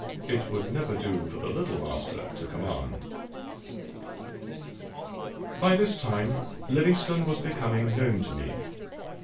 It would never do for the 'Little Master' to command." By this time Livingstone was becoming known to me.